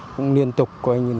cũng liên tục